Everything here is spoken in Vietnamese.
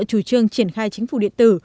chủ trương triển khai chính phủ điện tử